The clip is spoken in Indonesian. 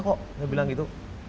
kok saya bilang begitu